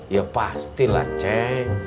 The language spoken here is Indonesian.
ya pastilah ceng